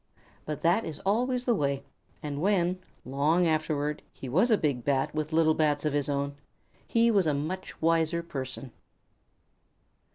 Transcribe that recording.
But that is always the way, and when, long afterward, he was a big Bat with little Bats of his own, he was a much wiser person.